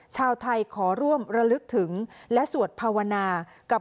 ชาวไทยขอร่วมระลึกถึงและสวดภาวนากับ